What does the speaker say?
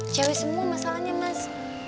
cewek semua masalahnya mas